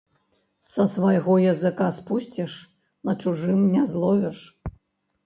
Са свайго языка спусціш — на чужым не зловіш